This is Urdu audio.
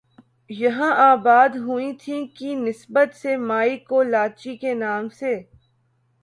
یہاں آباد ہوئی تھی کی نسبت سے مائی کولاچی کے نام سے